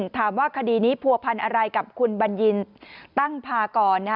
ถามว่าคดีนี้ผัวพันธ์อะไรกับคุณบัญญินตั้งพากร